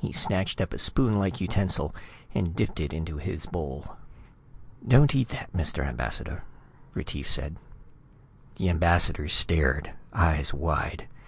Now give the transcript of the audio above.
He snatched up a spoon like utensil and dipped it into his bowl. "Don't eat that, Mr. Ambassador," Retief said. The ambassador stared, eyes wide.